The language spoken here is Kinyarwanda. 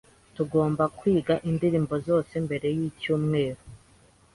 Tugomba kwiga indirimbo zose mbere yicyumweru.